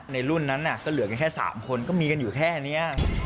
ในรุ่นนั้นก็เหลือกันแค่๓คนก็มีกันอยู่แค่นี้